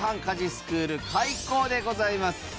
家事スクール開校でございます。